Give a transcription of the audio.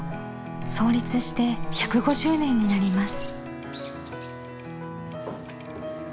創立して１５０年になります。